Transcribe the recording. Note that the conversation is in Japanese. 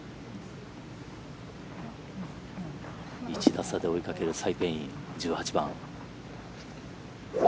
１打差で追いかけるサイ・ペイイン、１８番。